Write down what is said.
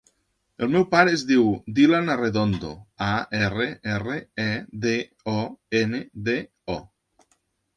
El meu pare es diu Dylan Arredondo: a, erra, erra, e, de, o, ena, de, o.